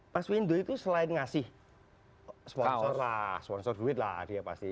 mas windu itu selain ngasih sponsor lah sponsor duit lah dia pasti